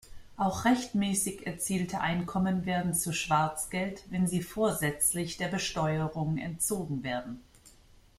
Auch rechtmäßig erzielte Einkommen werden zu Schwarzgeld, wenn sie vorsätzlich der Besteuerung entzogen werden.